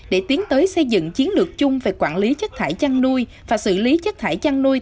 để tiến tới xây dựng chiến lược chung về quản lý chất thải chăn nuôi và xử lý chất thải chăn nuôi